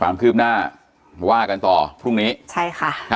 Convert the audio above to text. ความคืบหน้าว่ากันต่อพรุ่งนี้